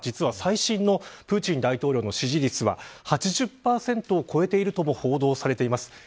最新のプーチン大統領の支持率は８０％を超えているとも報道されています。